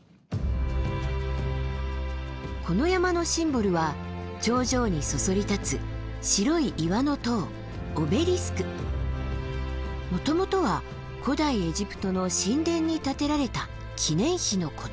この山のシンボルは頂上にそそり立つ白い岩の塔もともとは古代エジプトの神殿に建てられた記念碑のこと。